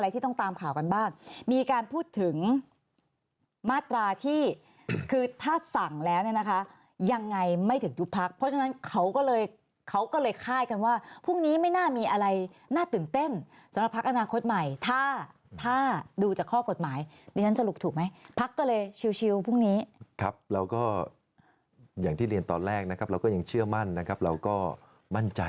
ที่ต้องตามข่าวกันบ้างมีการพูดถึงมาตราที่คือถ้าสั่งแล้วเนี่ยนะคะยังไงไม่ถึงยุบพักเพราะฉะนั้นเขาก็เลยเขาก็เลยคาดกันว่าพรุ่งนี้ไม่น่ามีอะไรน่าตื่นเต้นสำหรับพักอนาคตใหม่ถ้าถ้าดูจากข้อกฎหมายดิฉันสรุปถูกไหมพักก็เลยชิวพรุ่งนี้ครับเราก็อย่างที่เรียนตอนแรกนะครับเราก็ยังเชื่อมั่นนะครับเราก็มั่นใจ